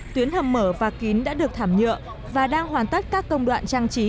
tuyến hầm mở và kín đã được thảm nhựa và đang hoàn tất các công đoạn trang trí